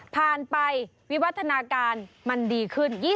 ผ่านไปวิวัฒนาการมันดีขึ้น